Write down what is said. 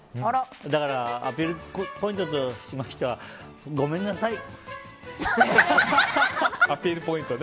だからアピールポイントとしましてはごめんなさい。